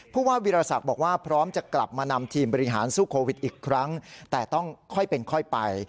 ผู้ว่าวิรสักบอกว่าพร้อมจะกลับมานำทีมบริหารสู้โควิดอีกครั้งแต่ต้องค่อยเป็นค่อยไป